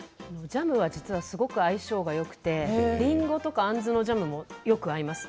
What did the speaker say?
ジャムは実はすごく相性がよくて、りんごやあんずのジャムもよく合います。